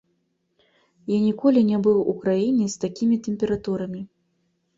Я ніколі не быў у краіне з такімі тэмпературамі.